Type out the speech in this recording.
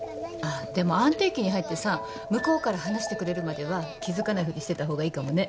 でも安定期に入ってさ向こうから話してくれるまでは気付かないふりしてた方がいいかもね。